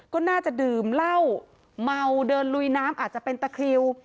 ก็น่าจะดื่มเหล้าเมาเดินลุยน้ำอาจจะเป็นตะคริว